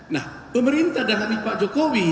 nah pemerintah dan ahli pak jokowi